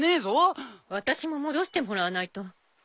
私も戻してもらわないと困るわ。